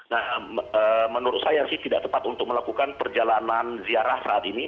nah menurut saya sih tidak tepat untuk melakukan perjalanan ziarah saat ini